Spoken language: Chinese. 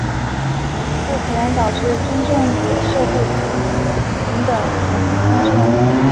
这可能导致真正的社会不平等和不公正。